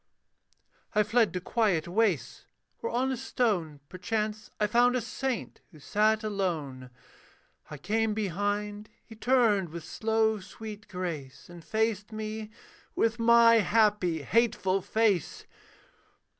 I fled to quiet wastes, where on a stone, Perchance, I found a saint, who sat alone; I came behind: he turned with slow, sweet grace, And faced me with my happy, hateful face.